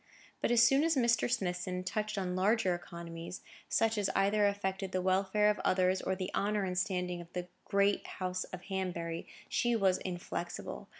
But as soon as Mr. Smithson touched on larger economies, such as either affected the welfare of others, or the honour and standing of the great House of Hanbury, she was inflexible.